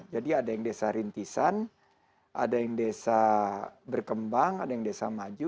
jadi ada yang desa rintisan ada yang desa berkembang ada yang desa maju